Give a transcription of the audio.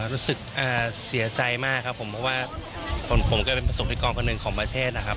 รู้สึกเสียใจมากครับผมเพราะว่าผมก็เป็นประสบนิกรคนหนึ่งของประเทศนะครับ